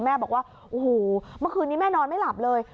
บอกว่าโอ้โหเมื่อคืนนี้แม่นอนไม่หลับเลย